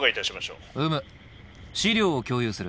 うむ資料を共有する。